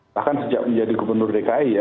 bahkan sejak menjadi gubernur dki ya